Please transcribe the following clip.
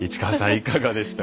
いかがでしたか？